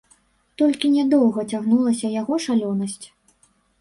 Толькі нядоўга цягнулася яго шалёнасць.